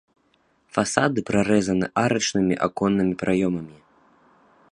Фасады прарэзаны арачнымі аконнымі праёмамі.